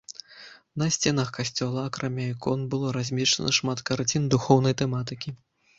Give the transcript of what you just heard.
На сценах касцёла, акрамя ікон, было размешчана шмат карцін духоўнай тэматыкі.